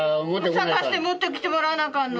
探して持ってきてもらわなあかんの。